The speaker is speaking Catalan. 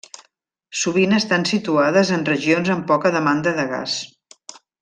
Sovint estan situades en regions amb poca demanda de gas.